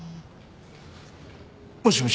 もしもし。